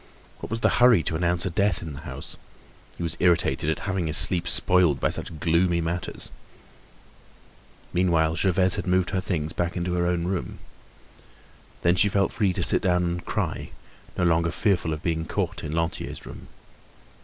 What was the hurry to announce a death in the house? He was irritated at having his sleep spoiled by such gloomy matters. Meanwhile, Gervaise had moved her things back into her own room. Then she felt free to sit down and cry, no longer fearful of being caught in Lantier's room.